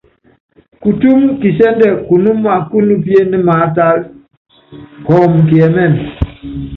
Kutúmu kisɛ́ndɛ kunúma kúnupíené maátálá, kɔɔmɔ kiɛmɛ́mɛ.